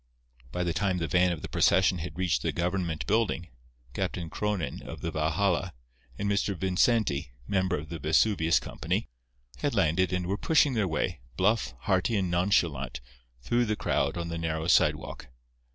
By the time the van of the procession had reached the government building, Captain Cronin, of the Valhalla, and Mr. Vincenti, member of the Vesuvius Company, had landed and were pushing their way, bluff, hearty and nonchalant, through the crowd on the narrow sidewalk.